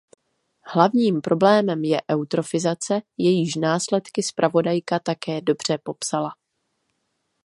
Hlavním problémem je eutrofizace, jejíž následky zpravodajka také dobře popsala.